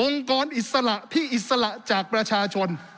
กรอิสระที่อิสระจากประชาชน